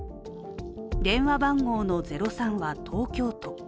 電話番号の「０３」は東京都。